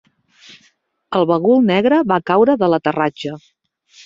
El bagul negre va caure de l'aterratge.